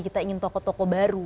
kita ingin tokoh tokoh baru